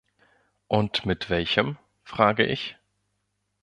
Und mit welchem, frage ich.